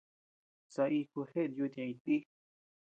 Saíkuu jeʼet yuta ñeʼe iti nì.